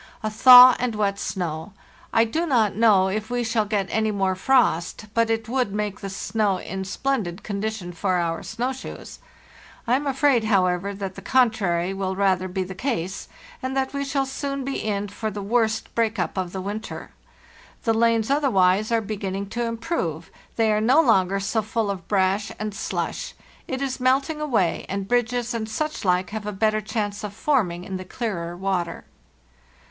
A thaw and wet snow. I do not know if we shall get any more frost, but it would make the snow in splendid condition for our snow shoes. I am afraid, however, that the contrary will rather be the case, and that we shall soon be in for the worst break up of the winter. The lanes otherwise are be ginning to improve; they are no longer so full of brash and slush; it is melting away, and bridges and such like have a better chance of forming in the clearer water.